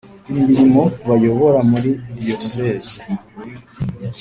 imirimo bayobora muri Diyoseze